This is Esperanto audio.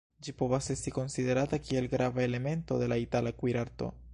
Ĝi povas esti konsiderata kiel grava elemento de la Itala kuirarto.